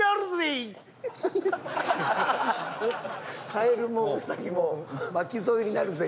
「カエルもウサギも巻き添えになるぜ」